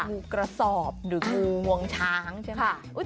งูกระสอบหรืองูงวงช้างใช่ไหม